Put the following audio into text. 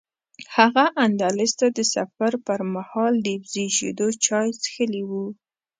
هغه اندلس ته د سفر پر مهال د وزې شیدو چای څښلي و.